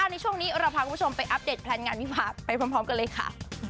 ในช่วงนี้เราพาคุณผู้ชมไปอัปเดตแพลนงานวิพาไปพร้อมกันเลยค่ะ